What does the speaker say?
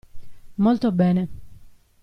Molto bene.